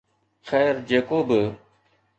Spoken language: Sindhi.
خير جيڪو به